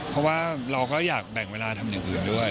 เพราะว่าเราก็อยากแบ่งเวลาทำอย่างอื่นด้วย